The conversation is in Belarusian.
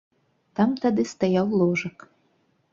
Там тады стаяў ложак.